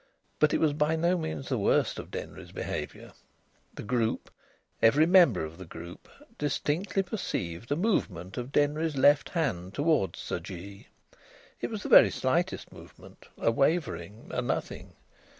But it was by no means the worst of Denry's behaviour. The group every member of the group distinctly perceived a movement of Denry's left hand towards Sir Jee. It was the very slightest movement, a wavering, a nothing.